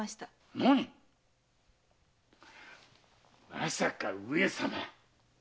まさか上様？